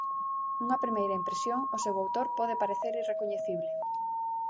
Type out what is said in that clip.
Nunha primeira impresión, o seu autor pode parecer irrecoñecible.